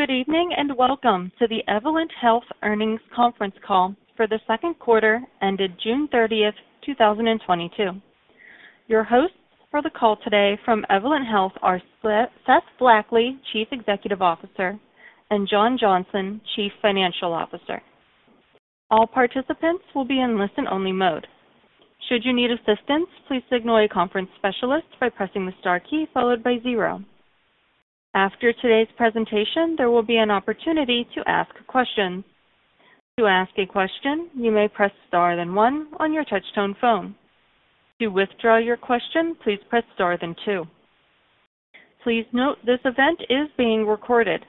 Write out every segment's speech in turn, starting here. Good evening, and welcome to the Evolent Health Earnings Conference Call for the second quarter ended June 30, 2022. Your hosts for the call today from Evolent Health are Seth Blackley, Chief Executive Officer, and John Johnson, Chief Financial Officer. All participants will be in listen-only mode. Should you need assistance, please signal a conference specialist by pressing the star key followed by zero. After today's presentation, there will be an opportunity to ask questions. To ask a question, you may press star then one on your touch-tone phone. To withdraw your question, please press star then two. Please note this event is being recorded.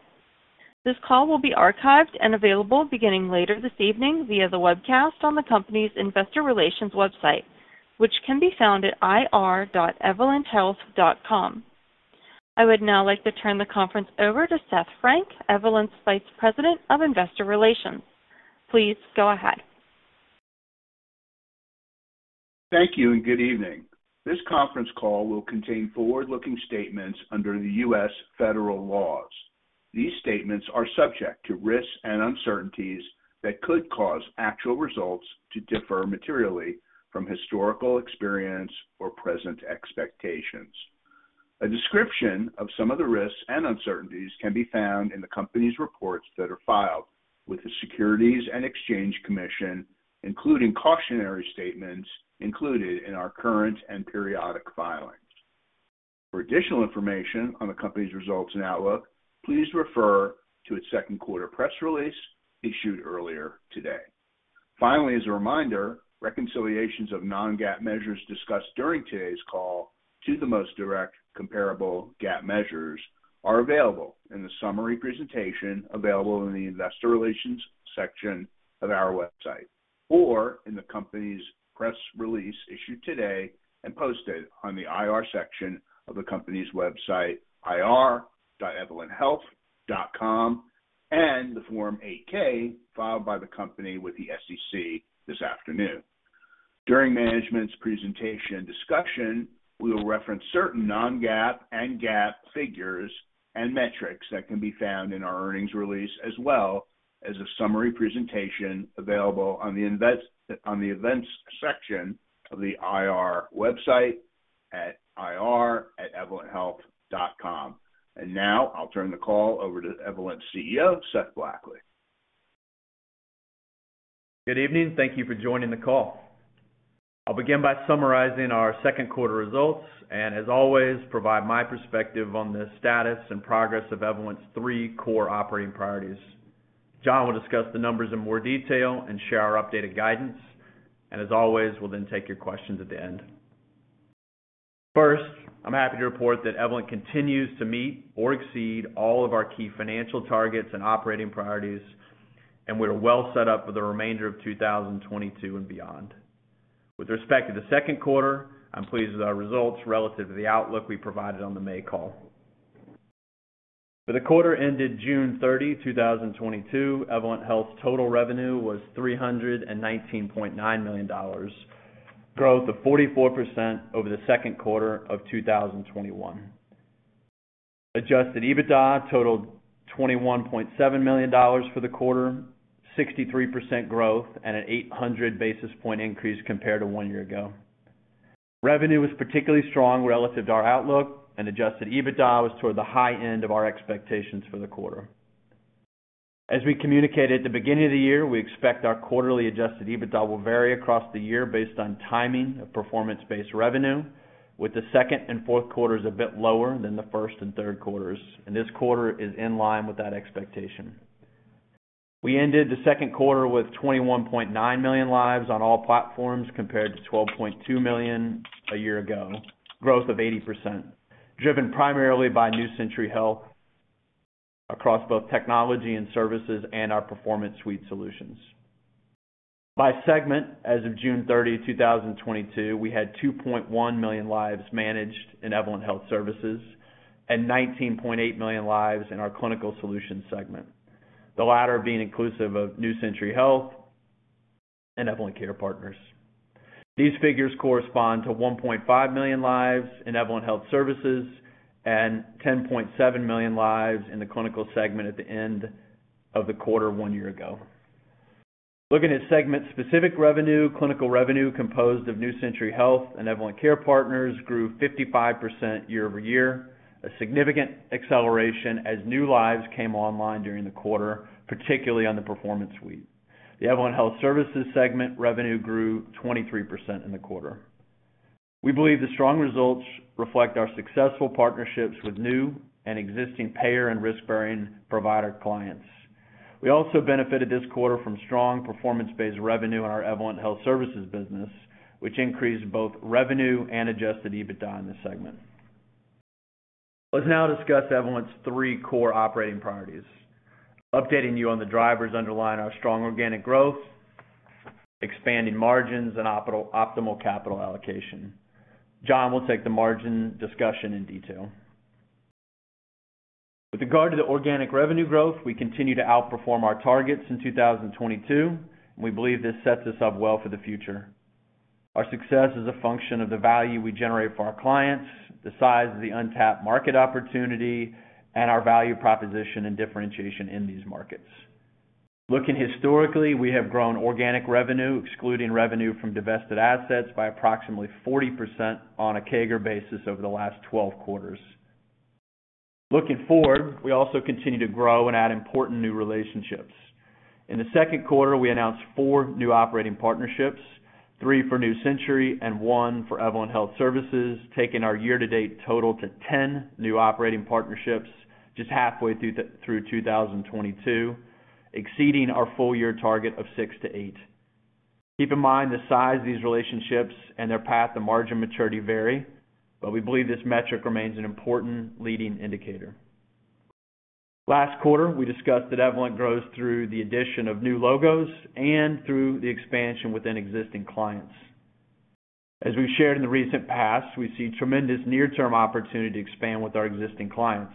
This call will be archived and available beginning later this evening via the webcast on the company's investor relations website, which can be found at ir.evolent.com. I would now like to turn the conference over to Seth Frank, Evolent's Vice President of Investor Relations. Please go ahead. Thank you, and good evening. This conference call will contain forward-looking statements under the U.S. federal laws. These statements are subject to risks and uncertainties that could cause actual results to differ materially from historical experience or present expectations. A description of some of the risks and uncertainties can be found in the company's reports that are filed with the Securities and Exchange Commission, including cautionary statements included in our current and periodic filings. For additional information on the company's results and outlook, please refer to its second quarter press release issued earlier today. Finally, as a reminder, reconciliations of non-GAAP measures discussed during today's call to the most direct comparable GAAP measures are available in the summary presentation available in the investor relations section of our website, or in the company's press release issued today and posted on the IR section of the company's website, ir.evolent.com, and the Form 8-K filed by the company with the SEC this afternoon. During management's presentation discussion, we will reference certain non-GAAP and GAAP figures and metrics that can be found in our earnings release, as well as a summary presentation available on the events section of the IR website at ir.evolent.com. Now I'll turn the call over to Evolent's CEO, Seth Blackley. Good evening. Thank you for joining the call. I'll begin by summarizing our second quarter results and as always, provide my perspective on the status and progress of Evolent's three core operating priorities. John will discuss the numbers in more detail and share our updated guidance, and as always, we'll then take your questions at the end. First, I'm happy to report that Evolent continues to meet or exceed all of our key financial targets and operating priorities, and we're well set up for the remainder of 2022 and beyond. With respect to the second quarter, I'm pleased with our results relative to the outlook we provided on the May call. For the quarter ended June 30, 2022, Evolent Health's total revenue was $319.9 million, growth of 44% over the second quarter of 2021. Adjusted EBITDA totaled $21.7 million for the quarter, 63% growth and an 800 basis point increase compared to one year ago. Revenue was particularly strong relative to our outlook, and adjusted EBITDA was toward the high end of our expectations for the quarter. As we communicated at the beginning of the year, we expect our quarterly adjusted EBITDA will vary across the year based on timing of performance-based revenue, with the second and fourth quarters a bit lower than the first and third quarters, and this quarter is in line with that expectation. We ended the second quarter with 21.9 million lives on all platforms compared to 12.2 million a year ago, growth of 80%, driven primarily by New Century Health across both technology and services and our Performance Suite solutions. By segment, as of June 30, 2022, we had 2.1 million lives managed in Evolent Health Services and 19.8 million lives in our Clinical Solutions segment, the latter being inclusive of New Century Health and Evolent Care Partners. These figures correspond to 1.5 million lives in Evolent Health Services and 10.7 million lives in the Clinical Solutions segment at the end of the quarter one year ago. Looking at segment-specific revenue, Clinical Solutions revenue, composed of New Century Health and Evolent Care Partners grew 55% year-over-year, a significant acceleration as new lives came online during the quarter, particularly on the Performance Suite. The Evolent Health Services segment revenue grew 23% in the quarter. We believe the strong results reflect our successful partnerships with new and existing payer and risk-bearing provider clients. We also benefited this quarter from strong performance-based revenue in our Evolent Health Services business, which increased both revenue and Adjusted EBITDA in this segment. Let's now discuss Evolent's three core operating priorities, updating you on the drivers underlying our strong organic growth, expanding margins and optimal capital allocation. John will take the margin discussion in detail. With regard to the organic revenue growth, we continue to outperform our targets in 2022, and we believe this sets us up well for the future. Our success is a function of the value we generate for our clients, the size of the untapped market opportunity, and our value proposition and differentiation in these markets. Looking historically, we have grown organic revenue, excluding revenue from divested assets, by approximately 40% on a CAGR basis over the last 12 quarters. Looking forward, we also continue to grow and add important new relationships. In the second quarter, we announced 4 new operating partnerships, 3 for New Century Health and 1 for Evolent Health Services, taking our year-to-date total to 10 new operating partnerships just halfway through 2022, exceeding our full year target of 6-8. Keep in mind the size of these relationships and their path to margin maturity vary, but we believe this metric remains an important leading indicator. Last quarter, we discussed that Evolent grows through the addition of new logos and through the expansion within existing clients. As we've shared in the recent past, we see tremendous near-term opportunity to expand with our existing clients,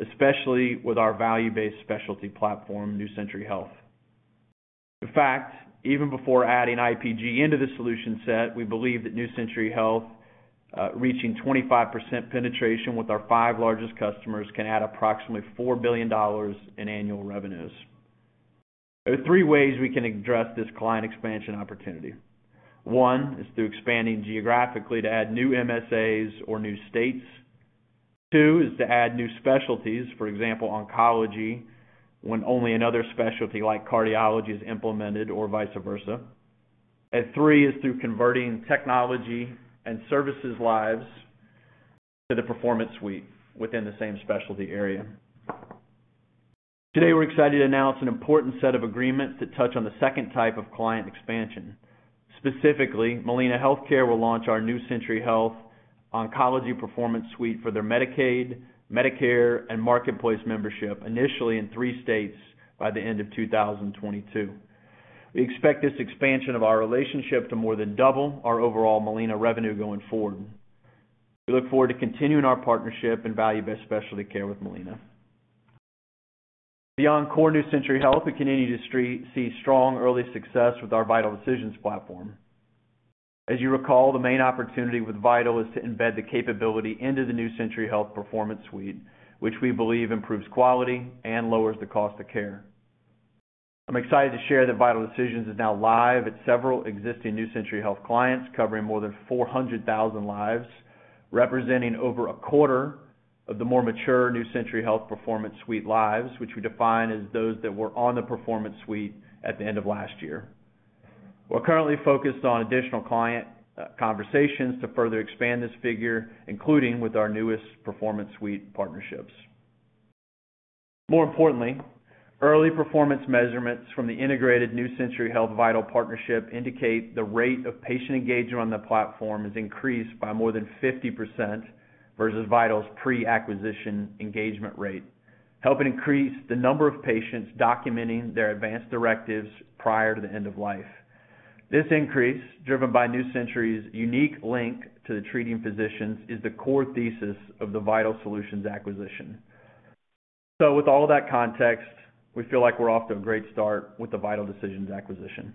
especially with our value-based specialty platform, New Century Health. In fact, even before adding IPG into the solution set, we believe that New Century Health reaching 25% penetration with our five largest customers can add approximately $4 billion in annual revenues. There are three ways we can address this client expansion opportunity. One is through expanding geographically to add new MSAs or new states. Two is to add new specialties, for example, oncology, when only another specialty like cardiology is implemented or vice versa. Three is through converting Technology and Services lives to the Performance Suite within the same specialty area. Today, we're excited to announce an important set of agreements that touch on the second type of client expansion. Specifically, Molina Healthcare will launch our New Century Health Oncology Performance Suite for their Medicaid, Medicare, and Marketplace membership, initially in three states by the end of 2022. We expect this expansion of our relationship to more than double our overall Molina revenue going forward. We look forward to continuing our partnership in value-based specialty care with Molina. Beyond core New Century Health, we continue to see strong early success with our Vital Decisions platform. As you recall, the main opportunity with Vital is to embed the capability into the New Century Health Performance Suite, which we believe improves quality and lowers the cost of care. I'm excited to share that Vital Decisions is now live at several existing New Century Health clients covering more than 400,000 lives, representing over a quarter of the more mature New Century Health Performance Suite lives, which we define as those that were on the Performance Suite at the end of last year. We're currently focused on additional client conversations to further expand this figure, including with our newest Performance Suite partnerships. More importantly, early performance measurements from the integrated New Century Health Vital Decisions partnership indicate the rate of patient engagement on the platform has increased by more than 50% versus Vital Decisions' pre-acquisition engagement rate, helping increase the number of patients documenting their advanced directives prior to the end of life. This increase, driven by New Century Health's unique link to the treating physicians, is the core thesis of the Vital Decisions acquisition. With all of that context, we feel like we're off to a great start with the Vital Decisions acquisition.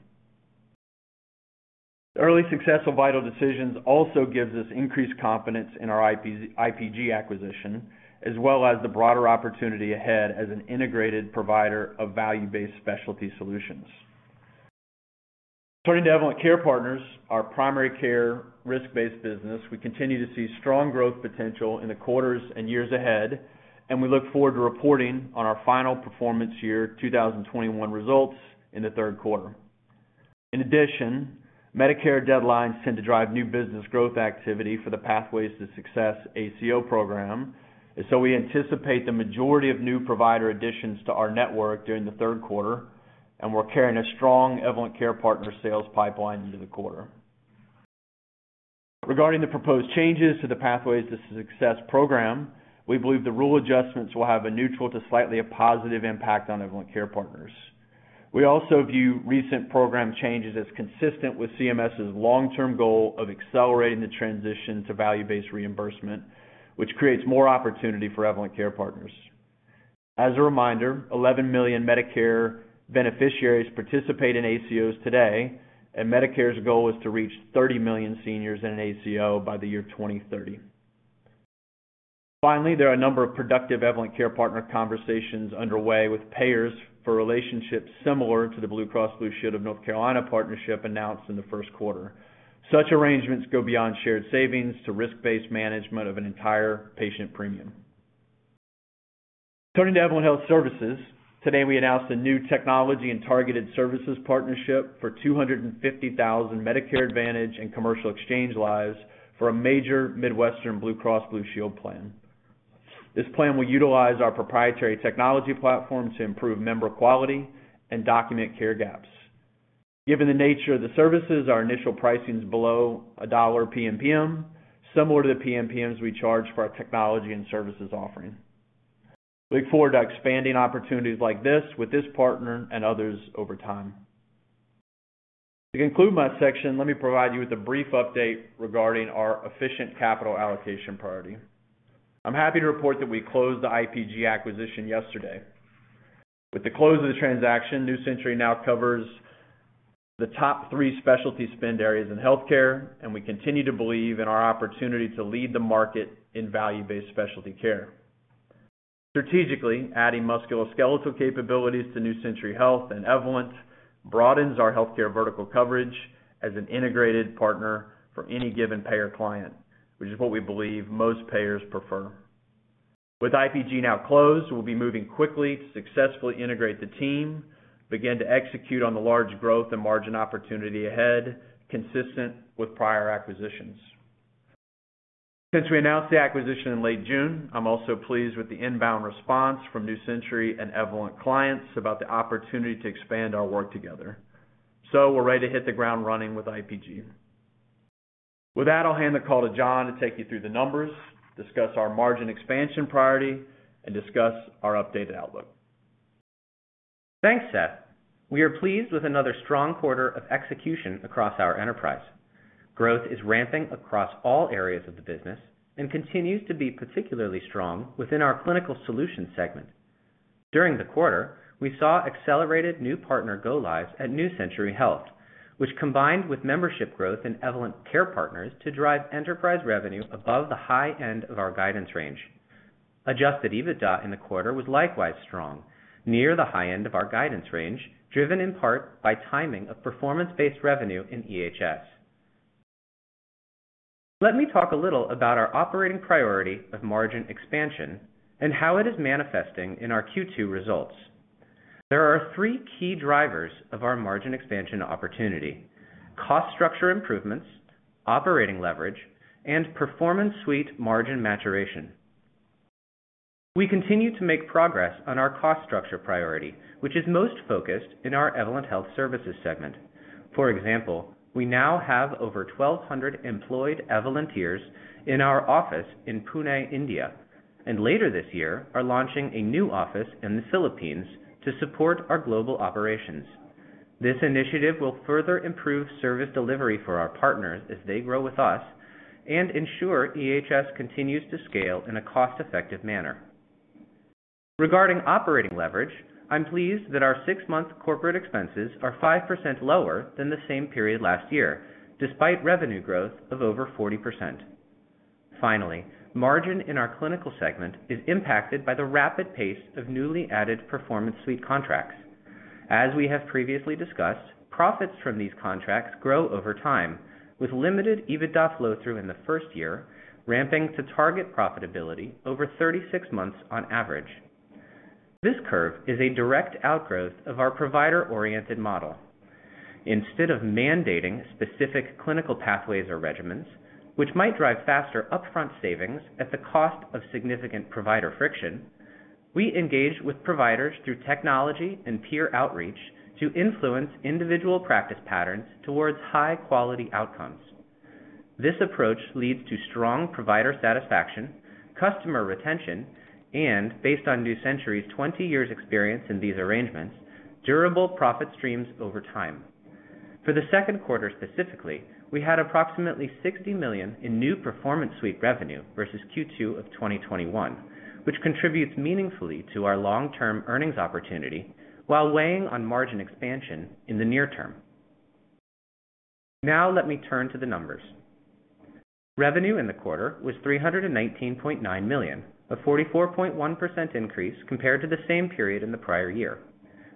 The early success of Vital Decisions also gives us increased confidence in our IPG acquisition, as well as the broader opportunity ahead as an integrated provider of value-based specialty solutions. Turning to Evolent Care Partners, our primary care risk-based business, we continue to see strong growth potential in the quarters and years ahead, and we look forward to reporting on our final performance year 2021 results in the third quarter. In addition, Medicare deadlines tend to drive new business growth activity for the Pathways to Success ACO program. We anticipate the majority of new provider additions to our network during the third quarter, and we're carrying a strong Evolent Care Partners sales pipeline into the quarter. Regarding the proposed changes to the Pathways to Success program, we believe the rule adjustments will have a neutral to slightly positive impact on Evolent Care Partners. We also view recent program changes as consistent with CMS's long-term goal of accelerating the transition to value-based reimbursement, which creates more opportunity for Evolent Care Partners. As a reminder, 11 million Medicare beneficiaries participate in ACOs today, and Medicare's goal is to reach 30 million seniors in an ACO by the year 2030. Finally, there are a number of productive Evolent Care Partners conversations underway with payers for relationships similar to the Blue Cross Blue Shield of North Carolina partnership announced in the first quarter. Such arrangements go beyond shared savings to risk-based management of an entire patient premium. Turning to Evolent Health Services, today we announced a new technology and targeted services partnership for 250,000 Medicare Advantage and commercial exchange lives for a major Midwestern Blue Cross Blue Shield plan. This plan will utilize our proprietary technology platform to improve member quality and document care gaps. Given the nature of the services, our initial pricing is below $1 PMPM, similar to the PMPMs we charge for our technology and services offering. We look forward to expanding opportunities like this with this partner and others over time. To conclude my section, let me provide you with a brief update regarding our efficient capital allocation priority. I'm happy to report that we closed the IPG acquisition yesterday. With the close of the transaction, New Century Health now covers the top three specialty spend areas in healthcare, and we continue to believe in our opportunity to lead the market in value-based specialty care. Strategically, adding musculoskeletal capabilities to New Century Health and Evolent broadens our healthcare vertical coverage as an integrated partner for any given payer client, which is what we believe most payers prefer. With IPG now closed, we'll be moving quickly to successfully integrate the team, begin to execute on the large growth and margin opportunity ahead, consistent with prior acquisitions. Since we announced the acquisition in late June, I'm also pleased with the inbound response from New Century and Evolent clients about the opportunity to expand our work together. We're ready to hit the ground running with IPG. With that, I'll hand the call to John to take you through the numbers, discuss our margin expansion priority, and discuss our updated outlook. Thanks, Seth. We are pleased with another strong quarter of execution across our enterprise. Growth is ramping across all areas of the business and continues to be particularly strong within our Clinical Solutions segment. During the quarter, we saw accelerated new partner go lives at New Century Health, which combined with membership growth in Evolent Care Partners to drive enterprise revenue above the high end of our guidance range. Adjusted EBITDA in the quarter was likewise strong, near the high end of our guidance range, driven in part by timing of performance-based revenue in EHS. Let me talk a little about our operating priority of margin expansion and how it is manifesting in our Q2 results. There are three key drivers of our margin expansion opportunity. Cost structure improvements, operating leverage, and Performance Suite margin maturation. We continue to make progress on our cost structure priority, which is most focused in our Evolent Health Services segment. For example, we now have over 1,200 employed Evolenteers in our office in Pune, India, and later this year, are launching a new office in the Philippines to support our global operations. This initiative will further improve service delivery for our partners as they grow with us and ensure EHS continues to scale in a cost-effective manner. Regarding operating leverage, I'm pleased that our six-month corporate expenses are 5% lower than the same period last year, despite revenue growth of over 40%. Finally, margin in our clinical segment is impacted by the rapid pace of newly added Performance Suite contracts. As we have previously discussed, profits from these contracts grow over time, with limited EBITDA flow-through in the first year, ramping to target profitability over 36 months on average. This curve is a direct outgrowth of our provider-oriented model. Instead of mandating specific clinical pathways or regimens, which might drive faster upfront savings at the cost of significant provider friction, we engage with providers through technology and peer outreach to influence individual practice patterns towards high-quality outcomes. This approach leads to strong provider satisfaction, customer retention, and based on New Century's 20 years experience in these arrangements, durable profit streams over time. For the second quarter, specifically, we had approximately $60 million in new Performance Suite revenue versus Q2 of 2021, which contributes meaningfully to our long-term earnings opportunity while weighing on margin expansion in the near term. Now let me turn to the numbers. Revenue in the quarter was $319.9 million, a 44.1% increase compared to the same period in the prior year.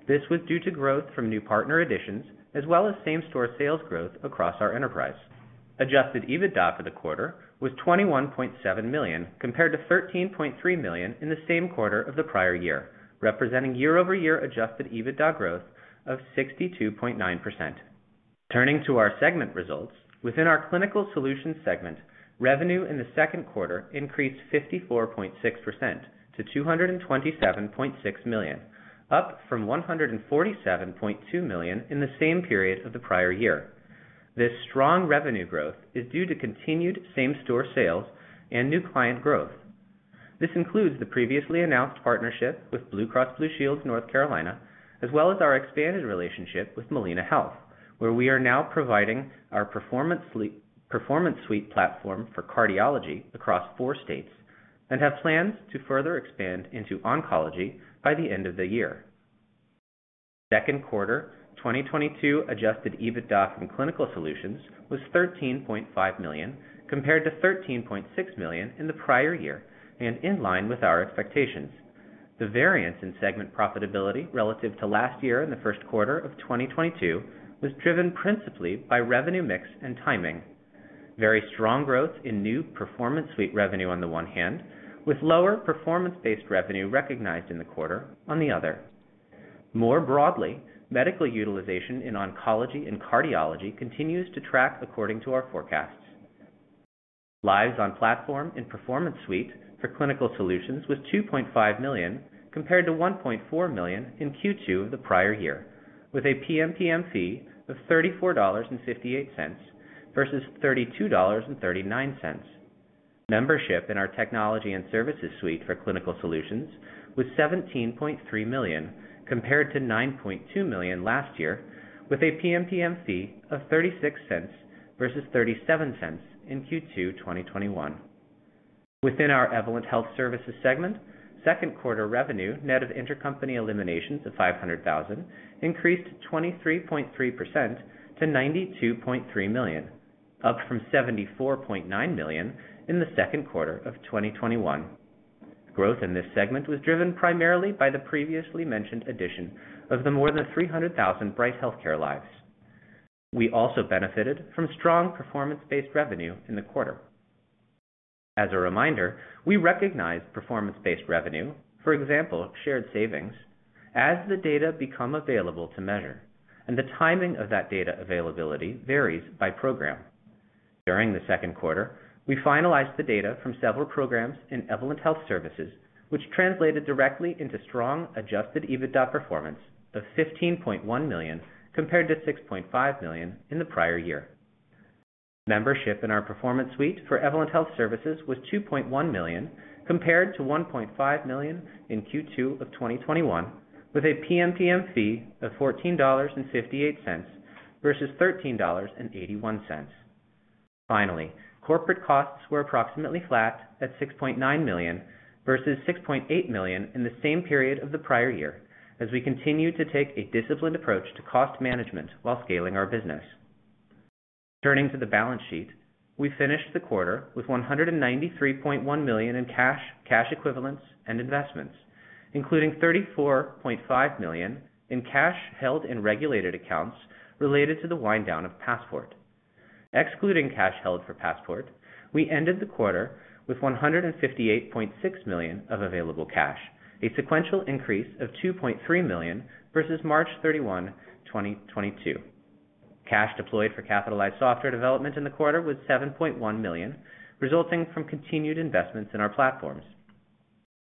This was due to growth from new partner additions as well as same-store sales growth across our enterprise. Adjusted EBITDA for the quarter was $21.7 million, compared to $13.3 million in the same quarter of the prior year, representing year-over-year Adjusted EBITDA growth of 62.9%. Turning to our segment results, within our Clinical Solutions segment, revenue in the second quarter increased 54.6% to $227.6 million, up from $147.2 million in the same period of the prior year. This strong revenue growth is due to continued same-store sales and new client growth. This includes the previously announced partnership with Blue Cross and Blue Shield of North Carolina, as well as our expanded relationship with Molina Healthcare, where we are now providing our Performance Suite platform for cardiology across four states and have plans to further expand into oncology by the end of the year. Second quarter 2022 Adjusted EBITDA from Clinical Solutions was $13.5 million, compared to $13.6 million in the prior year and in line with our expectations. The variance in segment profitability relative to last year in the first quarter of 2022 was driven principally by revenue mix and timing. Very strong growth in new Performance Suite revenue on the one hand, with lower performance-based revenue recognized in the quarter on the other. More broadly, medical utilization in oncology and cardiology continues to track according to our forecasts. Lives on platform in Performance Suite for Clinical Solutions was 2.5 million, compared to 1.4 million in Q2 of the prior year, with a PMPM fee of $34.58 versus $32.39. Membership in our Technology and Services Suite for Clinical Solutions was 17.3 million, compared to 9.2 million last year, with a PMPM fee of $0.36 versus $0.37 in Q2 2021. Within our Evolent Health Services segment, second quarter revenue net of intercompany eliminations of $500,000 increased 23.3% to $92.3 million, up from $74.9 million in the second quarter of 2021. Growth in this segment was driven primarily by the previously mentioned addition of the more than 300,000 Bright Health lives. We also benefited from strong performance-based revenue in the quarter. As a reminder, we recognize performance-based revenue, for example, shared savings, as the data become available to measure, and the timing of that data availability varies by program. During the second quarter, we finalized the data from several programs in Evolent Health Services, which translated directly into strong Adjusted EBITDA performance of $15.1 million compared to $6.5 million in the prior year. Membership in our Performance Suite for Evolent Health Services was 2.1 million compared to 1.5 million in Q2 of 2021, with a PMPM fee of $14.58 versus $13.81. Finally, corporate costs were approximately flat at $6.9 million versus $6.8 million in the same period of the prior year as we continue to take a disciplined approach to cost management while scaling our business. Turning to the balance sheet, we finished the quarter with $193.1 million in cash equivalents, and investments, including $34.5 million in cash held in regulated accounts related to the wind down of Passport. Excluding cash held for Passport, we ended the quarter with $158.6 million of available cash, a sequential increase of $2.3 million versus March 31, 2022. Cash deployed for capitalized software development in the quarter was $7.1 million, resulting from continued investments in our platforms.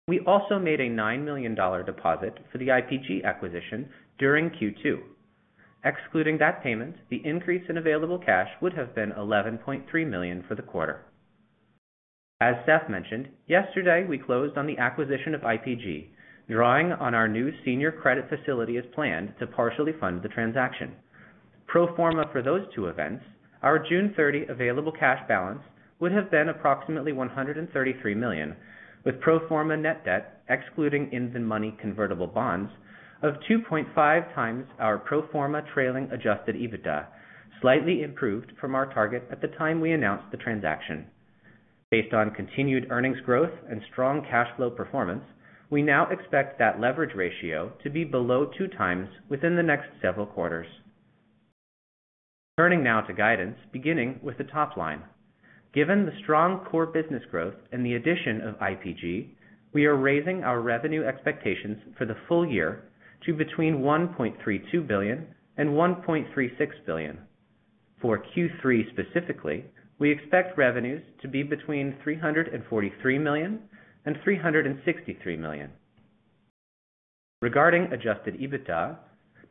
We also made a $9 million deposit for the IPG acquisition during Q2. Excluding that payment, the increase in available cash would have been $11.3 million for the quarter. As Seth mentioned, yesterday, we closed on the acquisition of IPG, drawing on our new senior credit facility as planned to partially fund the transaction. Pro forma for those two events, our June 30 available cash balance would have been approximately $133 million, with pro forma net debt excluding the 2025 convertible bonds of 2.5x our pro forma trailing Adjusted EBITDA, slightly improved from our target at the time we announced the transaction. Based on continued earnings growth and strong cash flow performance, we now expect that leverage ratio to be below 2x within the next several quarters. Turning now to guidance, beginning with the top line. Given the strong core business growth and the addition of IPG, we are raising our revenue expectations for the full year to between $1.32 billion-$1.36 billion. For Q3 specifically, we expect revenues to be between $343 million and $363 million. Regarding adjusted EBITDA,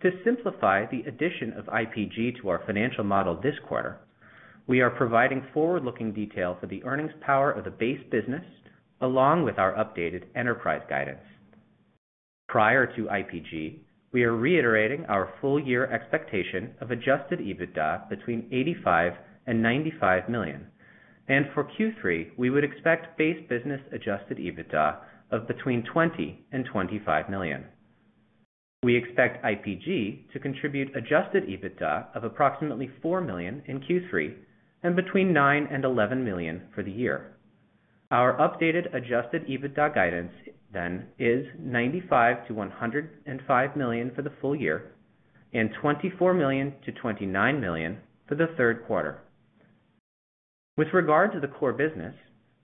to simplify the addition of IPG to our financial model this quarter, we are providing forward-looking detail for the earnings power of the base business along with our updated enterprise guidance. Prior to IPG, we are reiterating our full year expectation of adjusted EBITDA between $85 million and $95 million. For Q3, we would expect base business adjusted EBITDA of between $20 million and $25 million. We expect IPG to contribute adjusted EBITDA of approximately $4 million in Q3 and between $9 million and $11 million for the year. Our updated adjusted EBITDA guidance then is $95-$105 million for the full year and $24-$29 million for the third quarter. With regard to the core business,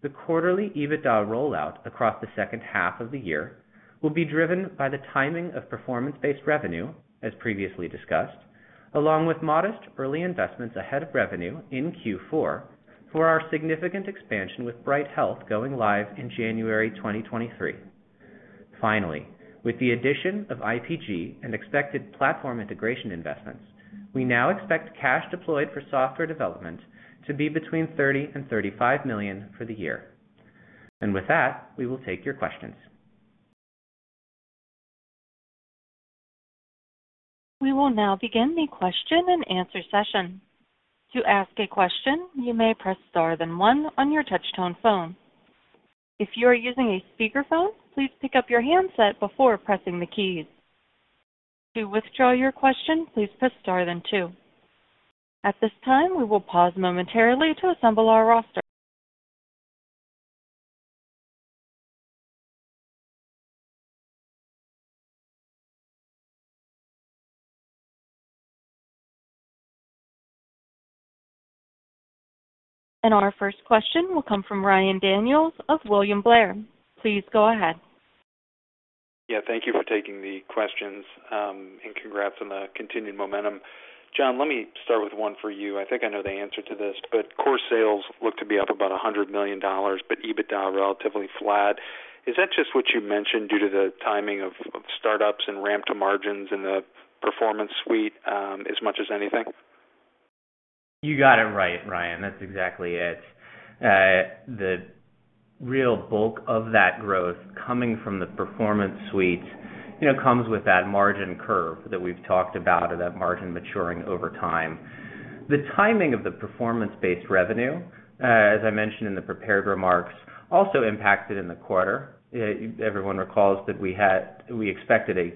the quarterly EBITDA rollout across the second half of the year will be driven by the timing of performance-based revenue, as previously discussed, along with modest early investments ahead of revenue in Q4 for our significant expansion with Bright Health going live in January 2023. Finally, with the addition of IPG and expected platform integration investments, we now expect cash deployed for software development to be between $30 million and $35 million for the year. With that, we will take your questions. We will now begin the question and answer session. To ask a question, you may press star then one on your touch-tone phone. If you are using a speakerphone, please pick up your handset before pressing the keys. To withdraw your question, please press star then two. At this time, we will pause momentarily to assemble our roster. Our first question will come from Ryan Daniels of William Blair. Please go ahead. Yeah, thank you for taking the questions, and congrats on the continued momentum. John, let me start with one for you. I think I know the answer to this, but core sales look to be up about $100 million, but EBITDA relatively flat. Is that just what you mentioned due to the timing of startups and ramp to margins in the Performance Suite, as much as anything? You got it right, Ryan. That's exactly it. The real bulk of that growth coming from the Performance Suite, you know, comes with that margin curve that we've talked about or that margin maturing over time. The timing of the performance-based revenue, as I mentioned in the prepared remarks, also impacted in the quarter. Everyone recalls that we expected a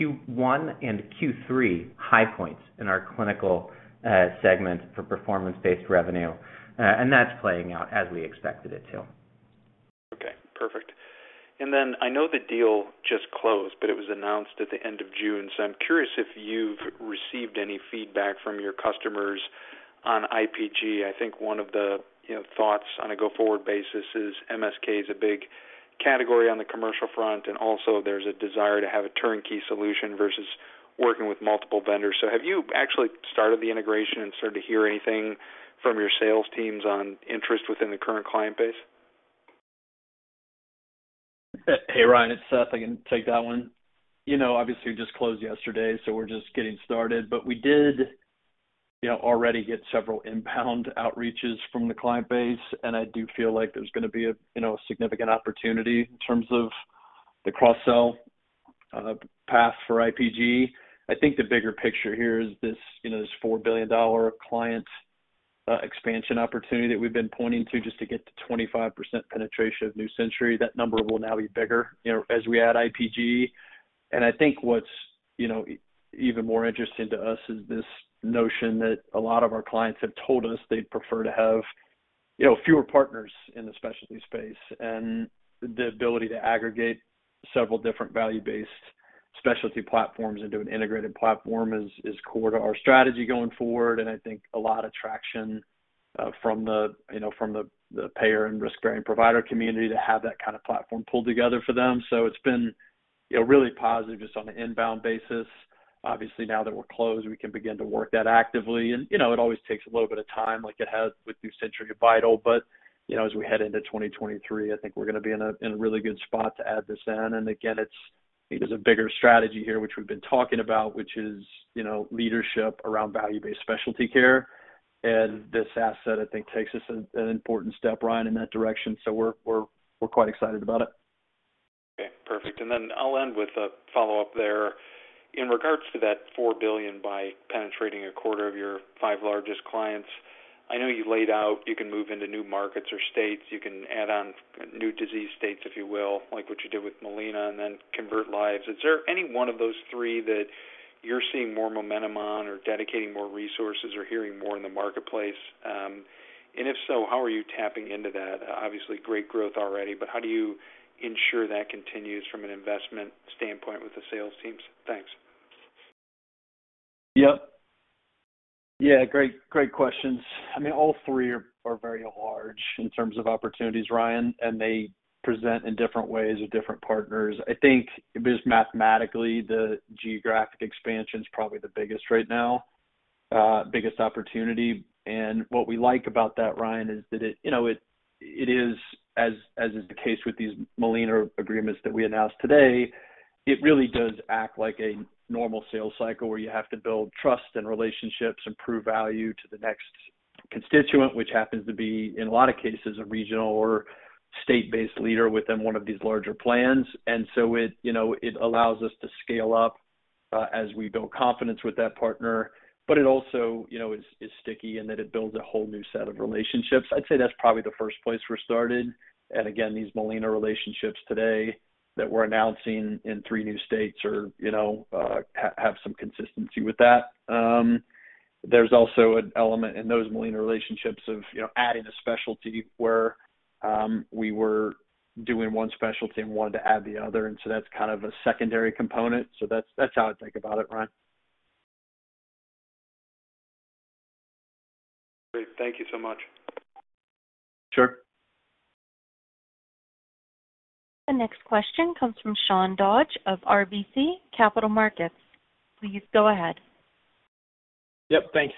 Q1 and Q3 high points in our clinical segment for performance-based revenue. That's playing out as we expected it to. Okay, perfect. I know the deal just closed, but it was announced at the end of June. I'm curious if you've received any feedback from your customers on IPG. I think one of the, you know, thoughts on a go-forward basis is MSK is a big category on the commercial front, and also there's a desire to have a turnkey solution versus working with multiple vendors. Have you actually started the integration and started to hear anything from your sales teams on interest within the current client base? Hey, Ryan, it's Seth. I can take that one. You know, obviously, we just closed yesterday, so we're just getting started. We did, you know, already get several inbound outreaches from the client base, and I do feel like there's gonna be a, you know, significant opportunity in terms of the cross-sell path for IPG. I think the bigger picture here is this, you know, this $4 billion client expansion opportunity that we've been pointing to just to get to 25% penetration of New Century. That number will now be bigger, you know, as we add IPG. I think what's, you know, even more interesting to us is this notion that a lot of our clients have told us they'd prefer to have, you know, fewer partners in the specialty space. The ability to aggregate several different value-based specialty platforms into an integrated platform is core to our strategy going forward. I think a lot of traction from the, you know, payer and risk-bearing provider community to have that kind of platform pulled together for them. It's been, you know, really positive just on the inbound basis. Obviously, now that we're closed, we can begin to work that actively. You know, it always takes a little bit of time, like it has with New Century and Vital. You know, as we head into 2023, I think we're gonna be in a really good spot to add this in. Again, it's, I think, there's a bigger strategy here which we've been talking about, which is, you know, leadership around value-based specialty care. This asset, I think, takes us an important step, Ryan, in that direction. We're quite excited about it. Okay, perfect. I'll end with a follow-up there. In regards to that $4 billion by penetrating a quarter of your 5 largest clients, I know you laid out you can move into new markets or states, you can add on new disease states, if you will, like what you did with Molina and then convert lives. Is there any one of those three that you're seeing more momentum on or dedicating more resources or hearing more in the marketplace? And if so, how are you tapping into that? Obviously, great growth already, but how do you ensure that continues from an investment standpoint with the sales teams? Thanks. Yep. Yeah, great questions. I mean, all three are very large in terms of opportunities, Ryan, and they present in different ways with different partners. I think just mathematically, the geographic expansion is probably the biggest opportunity right now. What we like about that, Ryan, is that, you know, it is, as is the case with these Molina agreements that we announced today, it really does act like a normal sales cycle where you have to build trust and relationships and prove value to the next constituent, which happens to be, in a lot of cases, a regional or state-based leader within one of these larger plans. You know, it allows us to scale up as we build confidence with that partner. It also, you know, is sticky in that it builds a whole new set of relationships. I'd say that's probably the first place we're started. Again, these Molina relationships today that we're announcing in three new states are, you know, have some consistency with that. There's also an element in those Molina relationships of, you know, adding a specialty where we were doing one specialty and wanted to add the other. That's how I think about it, Ryan. Great. Thank you so much. Sure. The next question comes from Sean Dodge of RBC Capital Markets. Please go ahead. Yep. Thanks,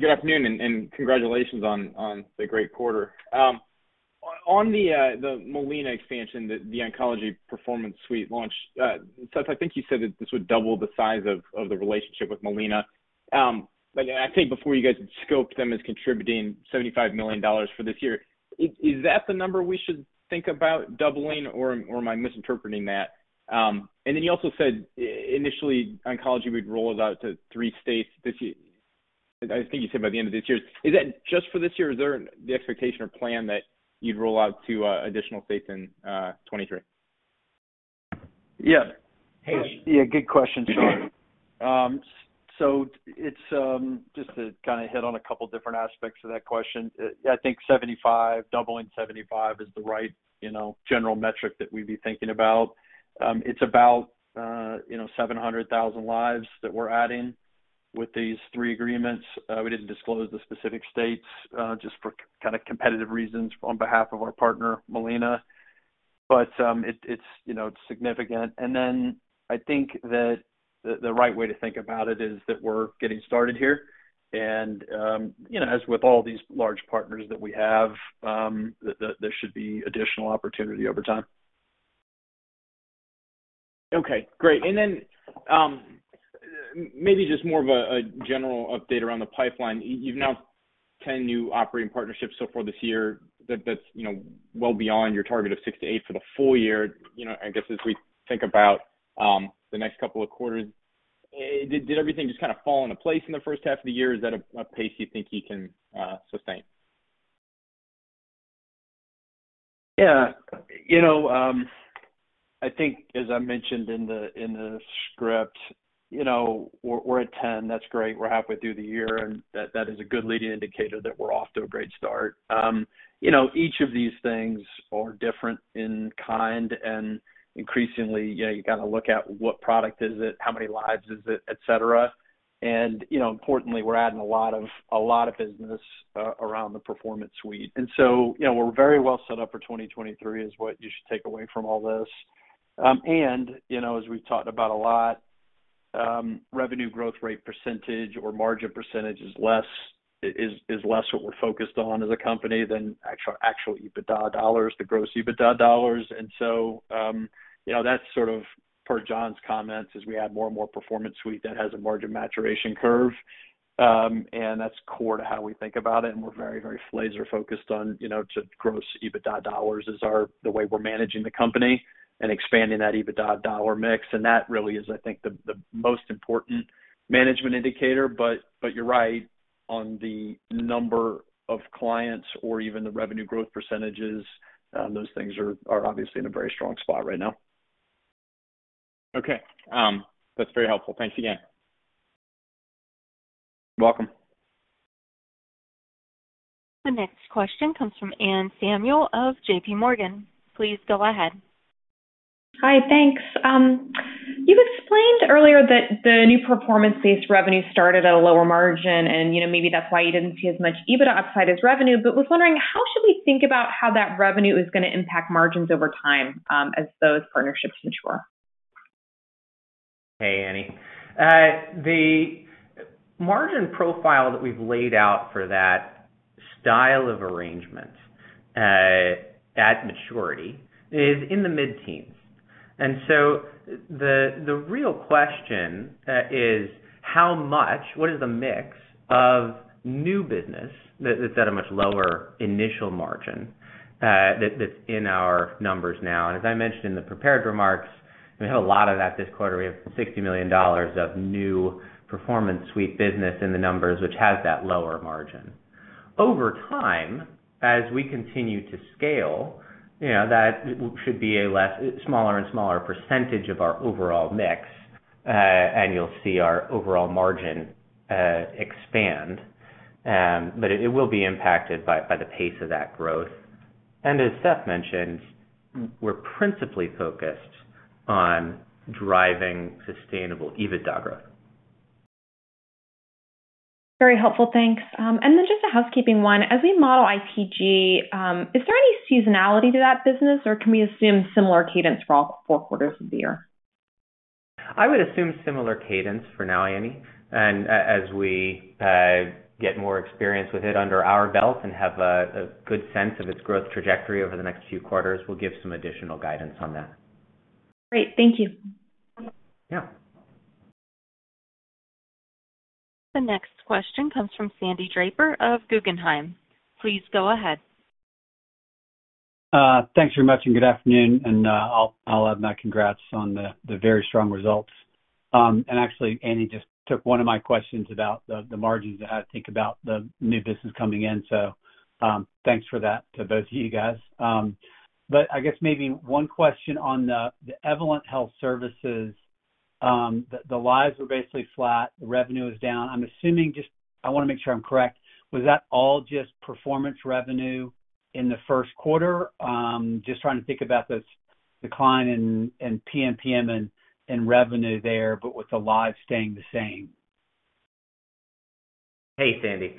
good afternoon and congratulations on the great quarter. On the Molina expansion, the Oncology Performance Suite launch, Seth, I think you said that this would double the size of the relationship with Molina. I think before you guys had scoped them as contributing $75 million for this year. Is that the number we should think about doubling or am I misinterpreting that? You also said initially oncology would roll it out to 3 states this year. I think you said by the end of this year. Is that just for this year? Is there the expectation or plan that you'd roll out to additional states in 2023? Yeah. Hey. Yeah, good question, Sean Dodge. So it's just to kinda hit on a couple different aspects of that question. I think 75, doubling 75 is the right, you know, general metric that we'd be thinking about. It's about, you know, 700,000 lives that we're adding with these three agreements. We didn't disclose the specific states, just for kind of competitive reasons on behalf of our partner, Molina. It's, you know, significant. Then I think that the right way to think about it is that we're getting started here. You know, as with all these large partners that we have, that there should be additional opportunity over time. Okay, great. Maybe just more of a general update around the pipeline. You've now 10 new operating partnerships so far this year. That's, you know, well beyond your target of 6-8 for the full year. You know, I guess, as we think about the next couple of quarters, did everything just kind of fall into place in the first half of the year? Is that a pace you think you can sustain? Yeah. You know, I think as I mentioned in the script, you know, we're at 10, that's great. We're halfway through the year, and that is a good leading indicator that we're off to a great start. You know, each of these things are different in kind, and increasingly, you know, you gotta look at what product is it, how many lives is it, et cetera. You know, importantly, we're adding a lot of business around the Performance Suite. You know, we're very well set up for 2023 is what you should take away from all this. You know, as we've talked about a lot, revenue growth rate percentage or margin percentage is less what we're focused on as a company than actual EBITDA dollars, the gross EBITDA dollars. That's sort of per John's comments, as we add more and more Performance Suite that has a margin maturation curve, and that's core to how we think about it, and we're very, very laser focused on, you know, to grow EBITDA dollars is our, the way we're managing the company and expanding that EBITDA dollar mix. That really is, I think, the most important management indicator. But you're right on the number of clients or even the revenue growth percentages, those things are obviously in a very strong spot right now. Okay. That's very helpful. Thanks again. You're welcome. The next question comes from Anne Samuel of JP Morgan. Please go ahead. Hi. Thanks. You explained earlier that the new performance-based revenue started at a lower margin and, you know, maybe that's why you didn't see as much EBITDA upside as revenue. Was wondering how should we think about how that revenue is gonna impact margins over time, as those partnerships mature? Hey, Annie. The margin profile that we've laid out for that style of arrangement at maturity is in the mid-teens. The real question is how much, what is the mix of new business that is at a much lower initial margin that's in our numbers now? As I mentioned in the prepared remarks, we had a lot of that this quarter, we have $60 million of new Performance Suite business in the numbers, which has that lower margin. Over time, as we continue to scale, you know, that should be a smaller and smaller percentage of our overall mix, and you'll see our overall margin expand. It will be impacted by the pace of that growth. As Seth mentioned, we're principally focused on driving sustainable EBITDA growth. Very helpful. Thanks. Just a housekeeping one. As we model IPG, is there any seasonality to that business or can we assume similar cadence for all four quarters of the year? I would assume similar cadence for now, Annie. As we get more experience with it under our belt and have a good sense of its growth trajectory over the next few quarters, we'll give some additional guidance on that. Great. Thank you. Yeah. The next question comes from Sandy Draper of Guggenheim. Please go ahead. Thanks very much, and good afternoon. I'll add my congrats on the very strong results. Actually, Annie just took one of my questions about the margins and how to think about the new business coming in. Thanks for that to both of you guys. I guess maybe one question on the Evolent Health Services. The lives were basically flat, the revenue is down. I'm assuming I wanna make sure I'm correct. Was that all just performance revenue in the first quarter? Just trying to think about this decline in PMPM and revenue there, but with the lives staying the same. Hey, Sandy.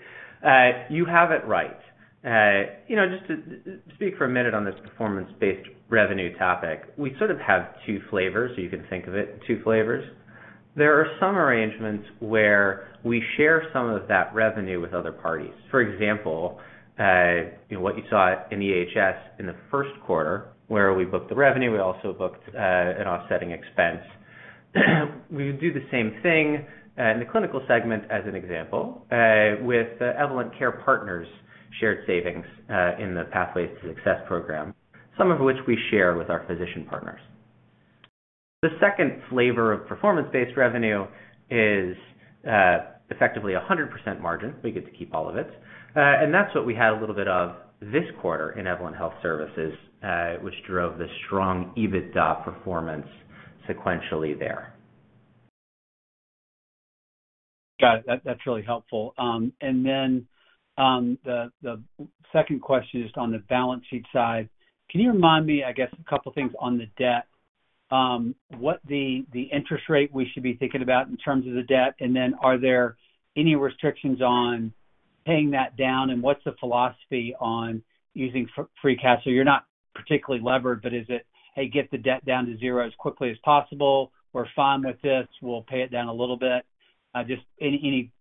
You have it right. You know, just to speak for a minute on this performance-based revenue topic. We sort of have two flavors, so you can think of it, two flavors. There are some arrangements where we share some of that revenue with other parties. For example, you know, what you saw in EHS in the first quarter, where we booked the revenue, we also booked an offsetting expense. We would do the same thing in the clinical segment as an example, with the Evolent Care Partners shared savings in the Pathways to Success program, some of which we share with our physician partners. The second flavor of performance-based revenue is effectively a 100% margin. We get to keep all of it. that's what we had a little bit of this quarter in Evolent Health Services, which drove the strong EBITDA performance sequentially there. Got it. That's really helpful. The second question is on the balance sheet side. Can you remind me, I guess, a couple things on the debt? What the interest rate we should be thinking about in terms of the debt, and then are there any restrictions on paying that down? What's the philosophy on using free cash? You're not particularly levered, but is it, hey, get the debt down to zero as quickly as possible? We're fine with this, we'll pay it down a little bit. Just any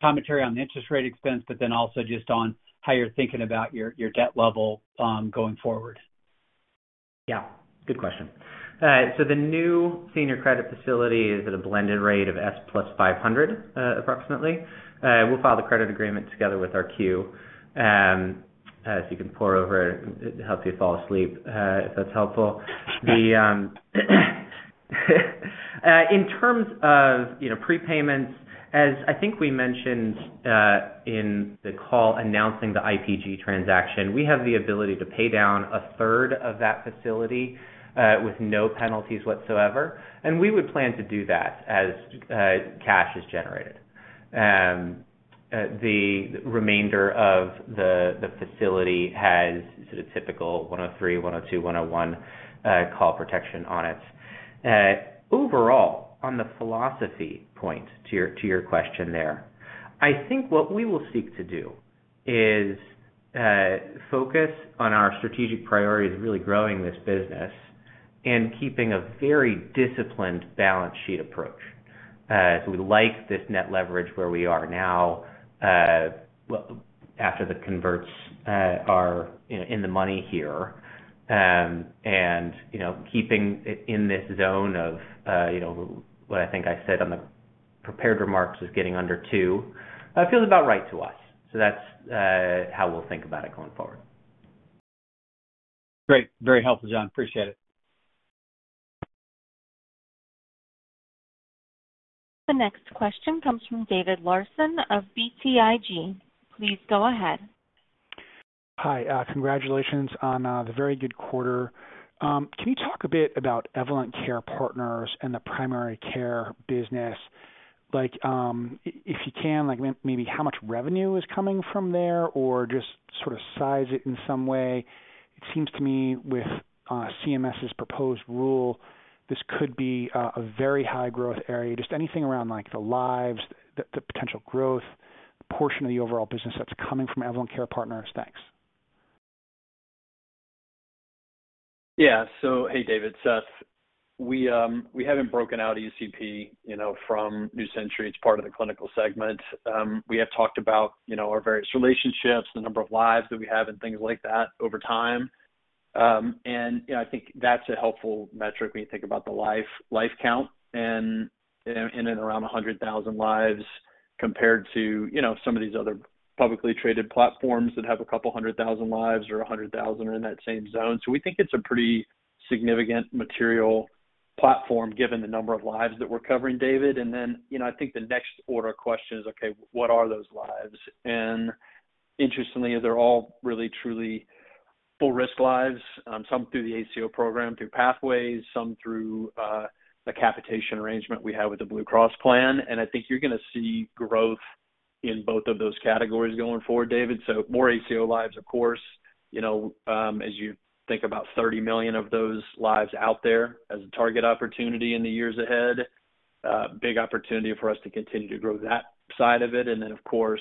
commentary on the interest rate expense, but then also just on how you're thinking about your debt level, going forward. Yeah, good question. So the new senior credit facility is at a blended rate of SOFR plus 500, approximately. We'll file the credit agreement together with our Q, so you can pore over it. It'll help you fall asleep, if that's helpful. In terms of, you know, prepayments, as I think we mentioned, in the call announcing the IPG transaction, we have the ability to pay down a third of that facility, with no penalties whatsoever. We would plan to do that as cash is generated. The remainder of the facility has sort of typical 103, 102, 101, call protection on it. Overall, on the philosophy point to your question there, I think what we will seek to do is focus on our strategic priorities of really growing this business and keeping a very disciplined balance sheet approach. We like this net leverage where we are now, well, after the converts are in the money here. You know, keeping in this zone of you know, what I think I said on the prepared remarks is getting under two feels about right to us. That's how we'll think about it going forward. Great. Very helpful, John. Appreciate it. The next question comes from David Larsen of BTIG. Please go ahead. Hi. Congratulations on the very good quarter. Can you talk a bit about Evolent Care Partners and the primary care business? Like, if you can, like, maybe how much revenue is coming from there, or just sort of size it in some way. It seems to me with CMS's proposed rule, this could be a very high growth area. Just anything around, like, the lives, the potential growth portion of the overall business that's coming from Evolent Care Partners. Thanks. Yeah. Hey, David, Seth. We haven't broken out ECP, you know, from New Century Health. It's part of the clinical segment. We have talked about, you know, our various relationships, the number of lives that we have, and things like that over time. I think that's a helpful metric when you think about the life count and, you know, in and around 100,000 lives compared to, you know, some of these other publicly traded platforms that have a couple hundred thousand lives or 100,000 are in that same zone. We think it's a pretty significant material platform given the number of lives that we're covering, David. You know, I think the next order question is, okay, what are those lives? Interestingly, they're all really truly full risk lives, some through the ACO program, through Pathways, some through the capitation arrangement we have with the Blue Cross plan. I think you're gonna see growth in both of those categories going forward, David. More ACO lives, of course, you know, as you think about 30 million of those lives out there as a target opportunity in the years ahead, big opportunity for us to continue to grow that side of it. Then, of course,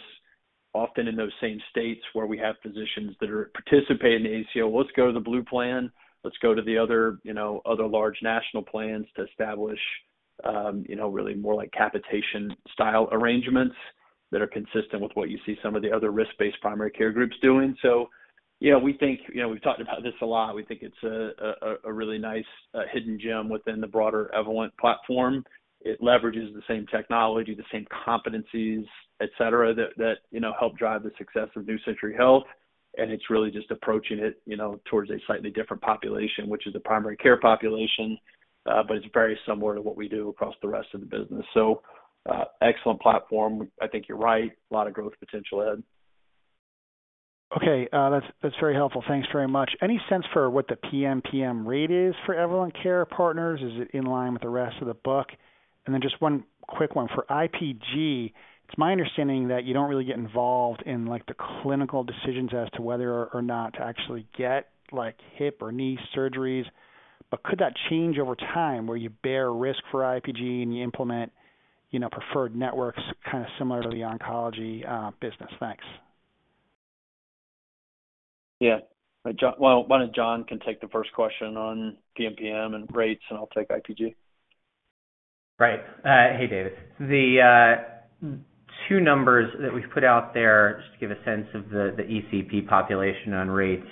often in those same states where we have physicians that are participating in the ACO, let's go to the Blue plan. Let's go to the other, you know, other large national plans to establish, you know, really more like capitation style arrangements that are consistent with what you see some of the other risk-based primary care groups doing. We think, you know, we've talked about this a lot. We think it's a really nice hidden gem within the broader Evolent platform. It leverages the same technology, the same competencies, et cetera, that you know, help drive the success of New Century Health, and it's really just approaching it, you know, towards a slightly different population, which is a primary care population. It's very similar to what we do across the rest of the business. Excellent platform. I think you're right, a lot of growth potential ahead. Okay. That's very helpful. Thanks very much. Any sense for what the PMPM rate is for Evolent Care Partners? Is it in line with the rest of the book? Just one quick one. For IPG, it's my understanding that you don't really get involved in, like, the clinical decisions as to whether or not to actually get, like, hip or knee surgeries. But could that change over time, where you bear risk for IPG and you implement, you know, preferred networks kind of similar to the oncology business? Thanks. Well, why don't John take the first question on PMPM and rates, and I'll take IPG. Right. Hey, David. The two numbers that we've put out there, just to give a sense of the ECP population on rates,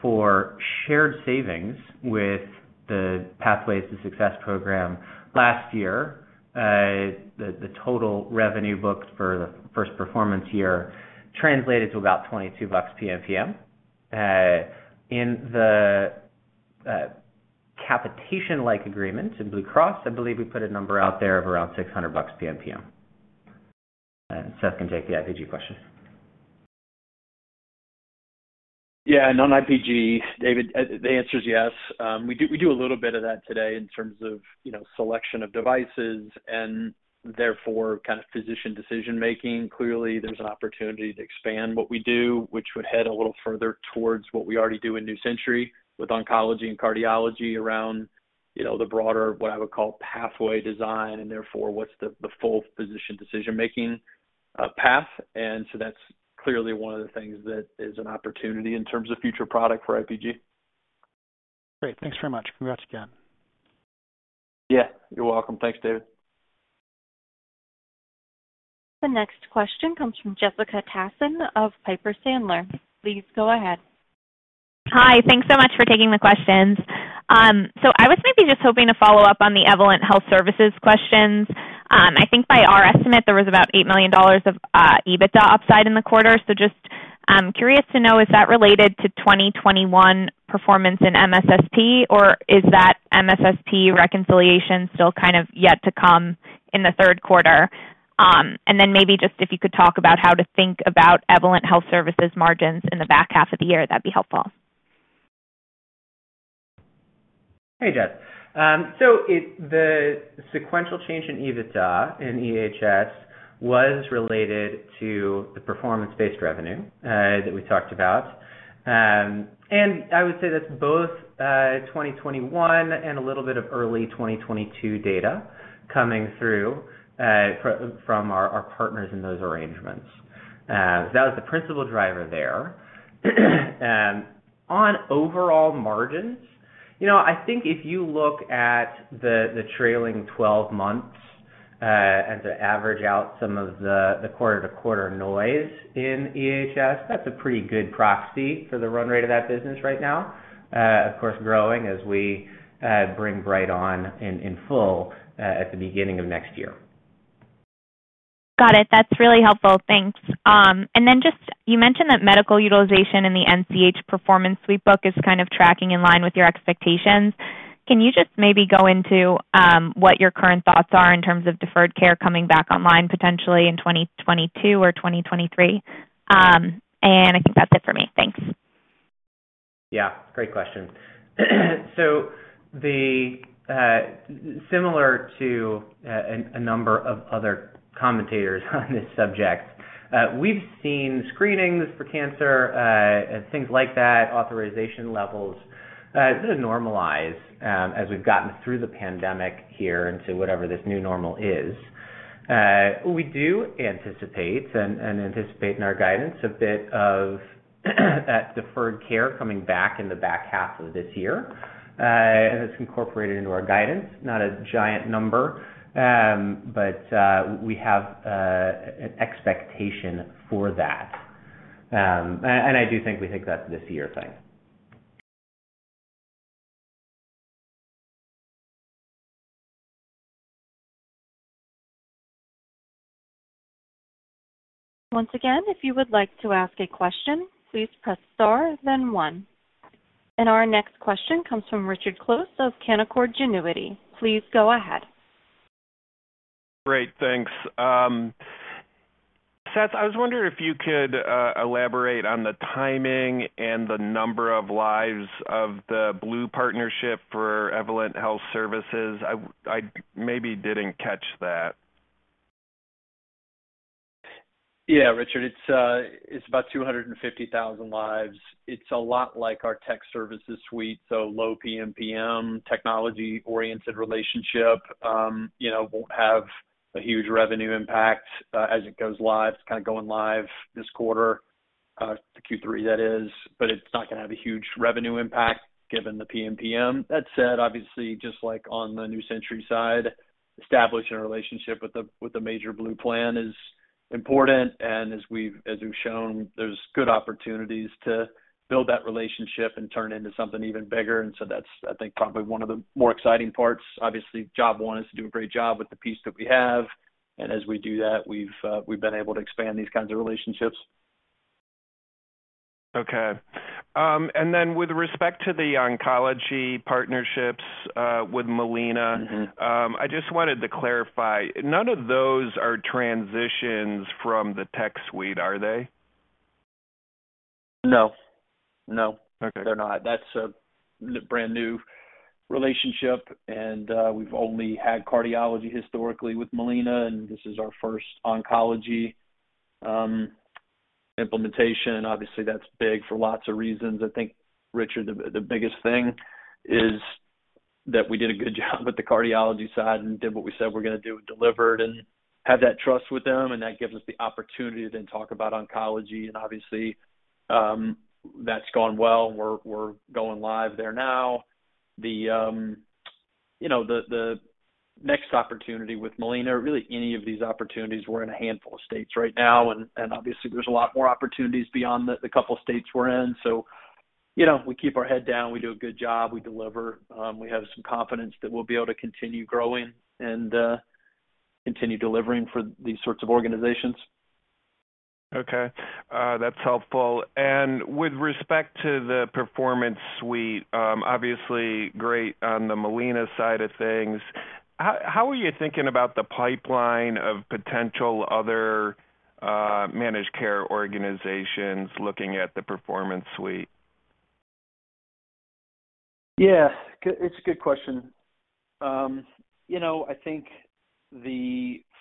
for shared savings with the Pathways to Success program last year, the total revenue booked for the first performance year translated to about $22 PMPM. In the capitation-like agreement in Blue Cross, I believe we put a number out there of around $600 PMPM. Seth can take the IPG question. Yeah. On IPG, David, the answer is yes. We do a little bit of that today in terms of, you know, selection of devices and therefore kind of physician decision-making. Clearly, there's an opportunity to expand what we do, which would head a little further towards what we already do in New Century with oncology and cardiology around, you know, the broader, what I would call, pathway design, and therefore what's the full physician decision-making path. That's clearly one of the things that is an opportunity in terms of future product for IPG. Great. Thanks very much. Congrats again. Yeah. You're welcome. Thanks, David. The next question comes from Jessica Tassan of Piper Sandler. Please go ahead. Hi. Thanks so much for taking the questions. I was maybe just hoping to follow up on the Evolent Health Services questions. I think by our estimate, there was about $8 million of EBITDA upside in the quarter. Just curious to know, is that related to 2021 performance in MSSP, or is that MSSP reconciliation still kind of yet to come in the third quarter? Maybe just if you could talk about how to think about Evolent Health Services margins in the back half of the year, that'd be helpful. Hey, Jess. The sequential change in EBITDA in EHS was related to the performance-based revenue that we talked about. I would say that's both 2021 and a little bit of early 2022 data coming through from our partners in those arrangements. That was the principal driver there. On overall margins, you know, I think if you look at the trailing twelve months and to average out some of the quarter-to-quarter noise in EHS, that's a pretty good proxy for the run rate of that business right now. Of course, growing as we bring Bright on in full at the beginning of next year. Got it. That's really helpful. Thanks. Just you mentioned that medical utilization in the NCH Performance Suite book is kind of tracking in line with your expectations. Can you just maybe go into what your current thoughts are in terms of deferred care coming back online potentially in 2022 or 2023? I think that's it for me. Thanks. Yeah, great question. Similar to a number of other commentators on this subject, we've seen screenings for cancer, things like that, authorization levels sort of normalize as we've gotten through the pandemic here into whatever this new normal is. We do anticipate and anticipate in our guidance a bit of that deferred care coming back in the back half of this year. It's incorporated into our guidance, not a giant number. We have an expectation for that. I do think we think that's this year thing. Once again, if you would like to ask a question, please press star then one. Our next question comes from Richard Close of Canaccord Genuity. Please go ahead. Great. Thanks. Seth, I was wondering if you could elaborate on the timing and the number of lives of the Blue partnership for Evolent Health Services. I maybe didn't catch that. Yeah, Richard, it's about 250,000 lives. It's a lot like our tech services suite, so low PMPM, technology-oriented relationship. You know, won't have a huge revenue impact as it goes live. It's kind of going live this quarter, Q3, that is. It's not gonna have a huge revenue impact given the PMPM. That said, obviously, just like on the New Century side, establishing a relationship with a major Blue plan is important, and as we've shown, there's good opportunities to build that relationship and turn into something even bigger. That's, I think, probably one of the more exciting parts. Obviously, job one is to do a great job with the piece that we have. As we do that, we've been able to expand these kinds of relationships. Okay. With respect to the oncology partnerships with Molina. Mm-hmm. I just wanted to clarify, none of those are transitions from the Tech Suite, are they? No. No. Okay. They're not. That's a brand new relationship, and we've only had cardiology historically with Molina, and this is our first oncology implementation. Obviously, that's big for lots of reasons. I think, Richard, the biggest thing is that we did a good job with the cardiology side and did what we said we're gonna do, delivered and have that trust with them, and that gives us the opportunity to then talk about oncology. Obviously, that's gone well. We're going live there now. You know, the next opportunity with Molina or really any of these opportunities, we're in a handful of states right now and obviously there's a lot more opportunities beyond the couple of states we're in. You know, we keep our head down, we do a good job, we deliver. We have some confidence that we'll be able to continue growing and continue delivering for these sorts of organizations. Okay. That's helpful. With respect to the Performance Suite, obviously great on the Molina side of things. How are you thinking about the pipeline of potential other managed care organizations looking at the Performance Suite? Yeah, it's a good question. You know, I think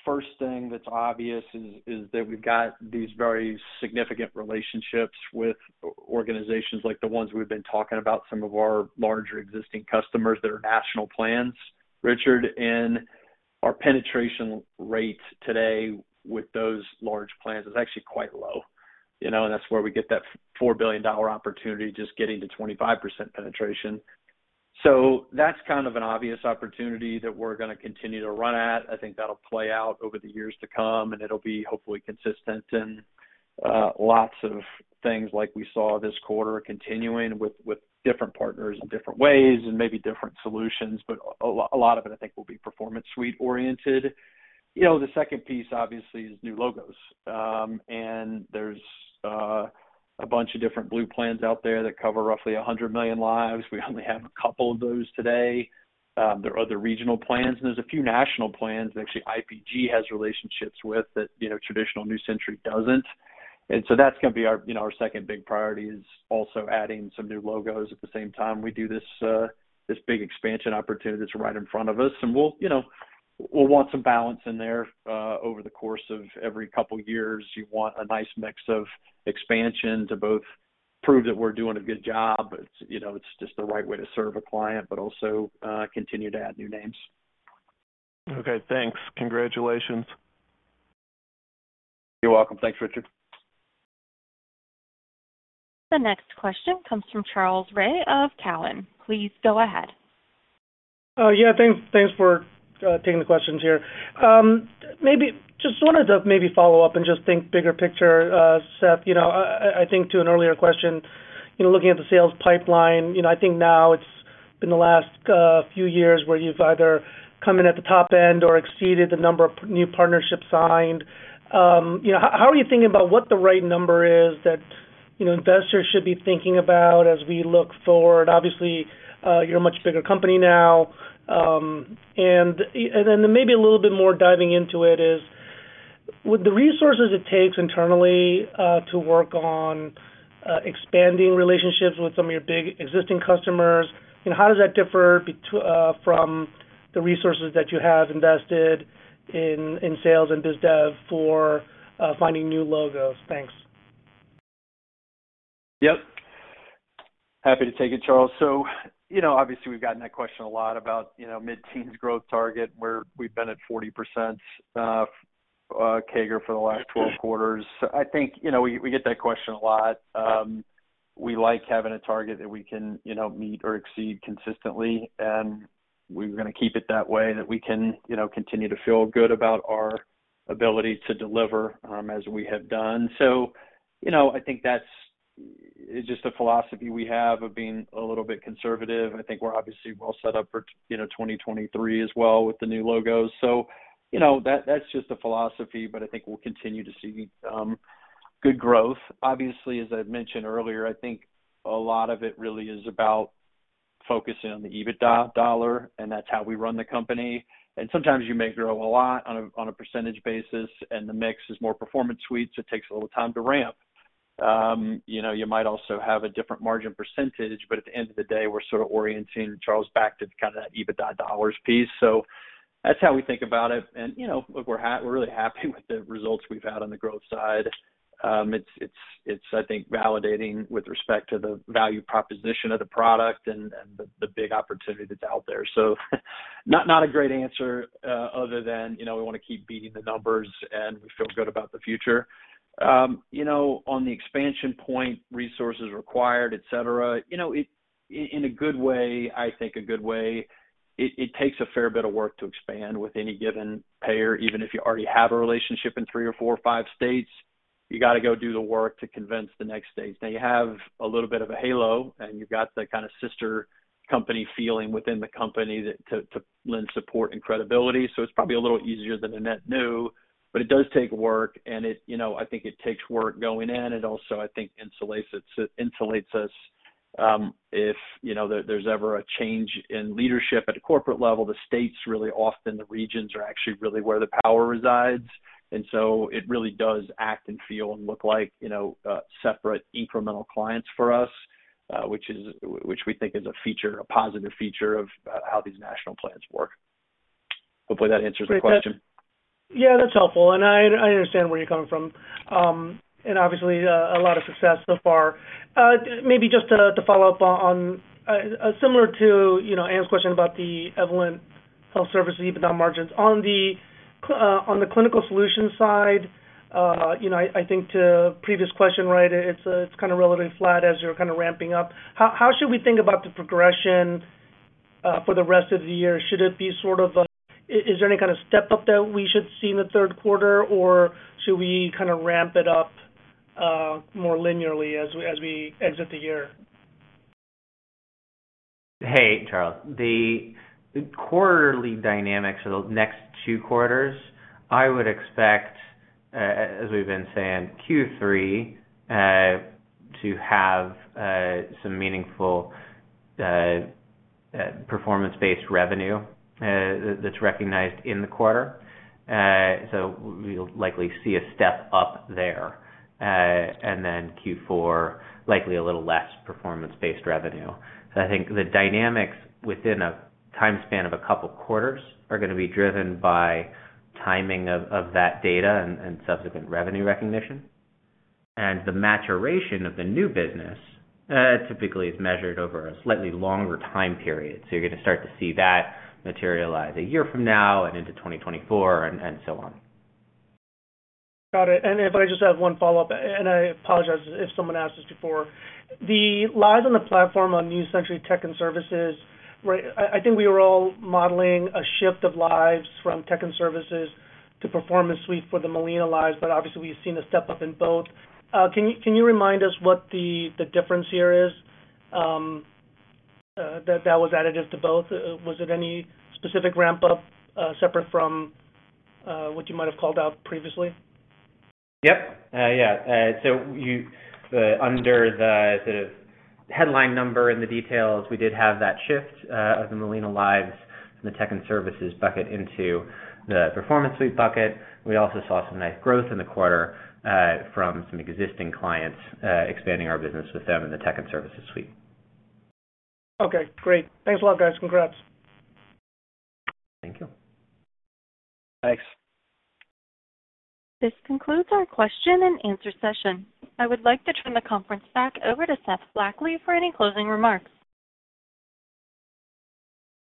the first thing that's obvious is that we've got these very significant relationships with organizations like the ones we've been talking about, some of our larger existing customers that are national plans, Richard, and our penetration rate today with those large plans is actually quite low. You know, and that's where we get that $4 billion opportunity just getting to 25% penetration. That's kind of an obvious opportunity that we're gonna continue to run at. I think that'll play out over the years to come, and it'll be hopefully consistent and lots of things like we saw this quarter continuing with different partners in different ways and maybe different solutions, but a lot of it, I think, will be Performance Suite oriented. You know, the second piece, obviously, is new logos. There's a bunch of different blue plans out there that cover roughly 100 million lives. We only have a couple of those today. There are other regional plans, and there's a few national plans. Actually, IPG has relationships with that, you know, traditional New Century Health doesn't. That's gonna be our, you know, our second big priority is also adding some new logos at the same time we do this big expansion opportunity that's right in front of us. We'll, you know, we'll want some balance in there over the course of every couple years. You want a nice mix of expansion to both prove that we're doing a good job. It's, you know, it's just the right way to serve a client, but also continue to add new names. Okay, thanks. Congratulations. You're welcome. Thanks, Richard. The next question comes from Charles Rhyee of Cowen. Please go ahead. Yeah, thanks for taking the questions here. Maybe just wanted to follow up and just think bigger picture, Seth. You know, I think to an earlier question, you know, looking at the sales pipeline, you know, I think now it's been the last few years where you've either come in at the top end or exceeded the number of new partnerships signed. You know, how are you thinking about what the right number is that, you know, investors should be thinking about as we look forward? Obviously, you're a much bigger company now. Maybe a little bit more diving into it is, with the resources it takes internally to work on expanding relationships with some of your big existing customers, you know, how does that differ from the resources that you have invested in sales and biz dev for finding new logos? Thanks. Yep. Happy to take it, Charles. You know, obviously we've gotten that question a lot about, you know, mid-teens growth target, where we've been at 40%, CAGR for the last 12 quarters. I think, you know, we get that question a lot. We like having a target that we can, you know, meet or exceed consistently, and we're gonna keep it that way, that we can, you know, continue to feel good about our ability to deliver, as we have done. You know, I think that's just a philosophy we have of being a little bit conservative. I think we're obviously well set up for, you know, 2023 as well with the new logos. You know, that's just a philosophy, but I think we'll continue to see good growth. Obviously, as I mentioned earlier, I think a lot of it really is about focusing on the EBITDA dollar, and that's how we run the company. Sometimes you may grow a lot on a percentage basis, and the mix is more Performance Suites. It takes a little time to ramp. You know, you might also have a different margin percentage, but at the end of the day, we're sort of orienting, Charles, back to kind of that EBITDA dollars piece. That's how we think about it. You know, we're really happy with the results we've had on the growth side. It's, I think, validating with respect to the value proposition of the product and the big opportunity that's out there. Not a great answer, other than, you know, we wanna keep beating the numbers, and we feel good about the future. You know, on the expansion point, resources required, et cetera, you know, it, in a good way, I think a good way, it takes a fair bit of work to expand with any given payer, even if you already have a relationship in 3 or 4 or 5 states. You gotta go do the work to convince the next states. Now you have a little bit of a halo, and you've got that kinda sister company feeling within the company that to lend support and credibility. It's probably a little easier than a net new, but it does take work, and it, you know, I think it takes work going in. It also, I think, insulates us, if, you know, there's ever a change in leadership at a corporate level. The states, really often the regions are actually really where the power resides. It really does act and feel and look like, you know, separate incremental clients for us, which we think is a feature, a positive feature of how these national plans work. Hopefully, that answers your question. Yeah, that's helpful, and I understand where you're coming from. Obviously, a lot of success so far. Maybe just to follow up on, similar to, you know, Anne's question about the Evolent Health Services EBITDA margins. On the Clinical Solutions side, you know, I think the previous question, right, it's kinda relatively flat as you're kinda ramping up. How should we think about the progression for the rest of the year? Is there any kind of step-up that we should see in the third quarter, or should we kinda ramp it up more linearly as we exit the year? Hey, Charles. The quarterly dynamics for the next two quarters, I would expect, as we've been saying, Q3 to have some meaningful performance-based revenue that's recognized in the quarter. We'll likely see a step up there. Then Q4, likely a little less performance-based revenue. I think the dynamics within a time span of a couple quarters are gonna be driven by timing of that data and subsequent revenue recognition. The maturation of the new business typically is measured over a slightly longer time period. You're gonna start to see that materialize a year from now and into 2024 and so on. Got it. If I just have one follow-up, and I apologize if someone asked this before. The lives on the platform on New Century Tech and Services, right, I think we were all modeling a shift of lives from Tech and Services to Performance Suite for the Molina lives, but obviously, we've seen a step up in both. Can you remind us what the difference here is, that was additive to both? Was it any specific ramp up, separate from what you might have called out previously? Under the sort of headline number in the details, we did have that shift of the Molina lives from the Tech and Services bucket into the Performance Suite bucket. We also saw some nice growth in the quarter from some existing clients expanding our business with them in the Tech and Services suite. Okay, great. Thanks a lot, guys. Congrats. Thank you. Thanks. This concludes our question and answer session. I would like to turn the conference back over to Seth Blackley for any closing remarks.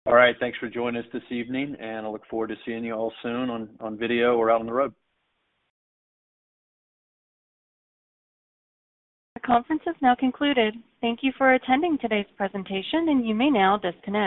All right. Thanks for joining us this evening, and I look forward to seeing you all soon on video or out on the road. The conference is now concluded. Thank you for attending today's presentation, and you may now disconnect.